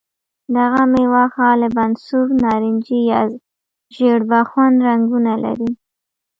دغه مېوه غالباً سور، نارنجي یا ژېړ بخن رنګونه لري.